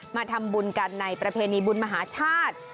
มาทำบุญกันในประเพณีบุญมหาชาติ